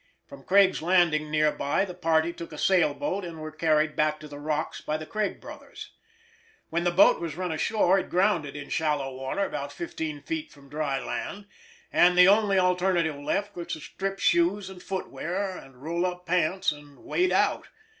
From Craig's Landing near by the party took a sail boat and were carried back to the Rocks by the Craig brothers. When the boat was run ashore it grounded in shallow water about fifteen feet from dry land, and the only alternative left was to strip shoes and foot wear, and roll up pants and wade out.